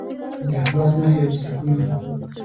د اخلاص نښې او څرکونه